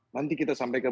nanti kita sampaikan